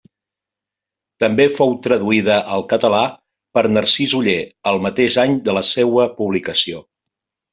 També fou traduïda al català per Narcís Oller el mateix any de la seua publicació.